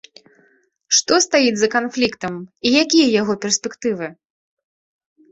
Што стаіць за канфліктам, і якія яго перспектывы?